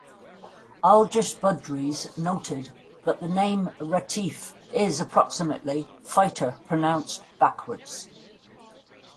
Algis Budrys noted that the name "Retief" is, approximately, "fighter pronounced backwards.